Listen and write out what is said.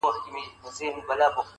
که دي دا ورور دئ، په مخ کي دي گور دئ.